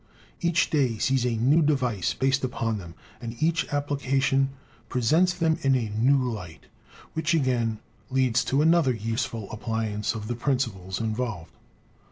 Each day sees a new device based upon them, and each application presents them in a new light, which again leads to another useful appliance of the principles involved.